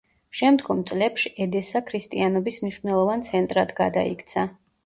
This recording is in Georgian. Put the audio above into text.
შემდგომ წლებშ ედესა ქრისტიანობის მნიშვნელოვან ცენტრად გადაიქცა.